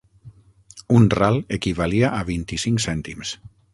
Un ral equivalia a vint-i-cinc cèntims.